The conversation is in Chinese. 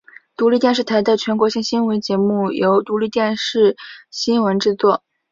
独立电视台的全国性新闻节目是由独立电视新闻制作。